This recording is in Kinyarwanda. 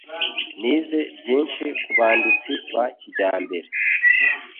Nize byinshi kubanditsi ba kijyambere.